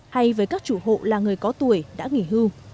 hay với các chủ hộ là người có tuổi đã nghỉ hưu